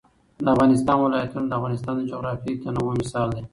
د افغانستان ولايتونه د افغانستان د جغرافیوي تنوع مثال دی.